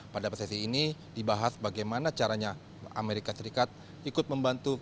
pada sesi ini dibahas bagaimana caranya amerika serikat ikut membantu